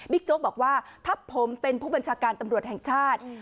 โจ๊กบอกว่าถ้าผมเป็นผู้บัญชาการตำรวจแห่งชาติ